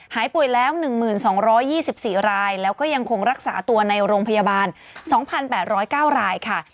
หายป่วยแล้ว๑๒๒๔รายแล้วก็ยังคงรักษาตัวในโรงพยาบาล๒๘๐๙รายค่ะ